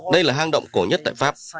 đây là hang động cổ nhất tại pháp